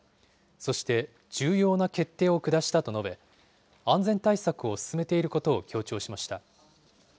そして、重要な決定を下したと述べ、安全対策を進めていることを強調しました。